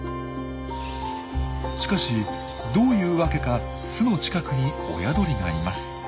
しかしどういうわけか巣の近くに親鳥がいます。